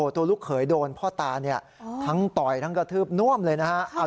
ตัวลูกเขยโดนพ่อตาทั้งต่อยทั้งกระทืบน่วมเลยนะฮะ